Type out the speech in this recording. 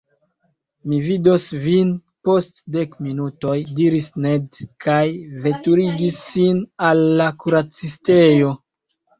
Mi vidos vin post dek minutoj diris Ned, kaj veturigis sin al la kuracistejo.